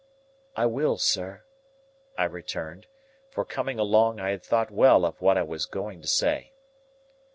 "I will, sir," I returned. For, coming along I had thought well of what I was going to say.